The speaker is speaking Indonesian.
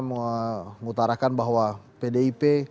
mengutarakan bahwa pdip